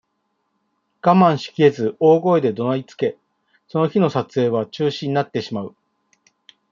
我慢しきれず、大声で怒鳴りつけ、その日の撮影は中止になってしまう。